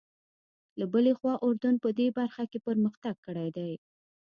له بلې خوا اردن په دې برخه کې پرمختګ کړی دی.